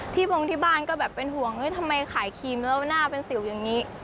วงที่บ้านก็แบบเป็นห่วงทำไมขายครีมแล้วหน้าเป็นสิวอย่างนี้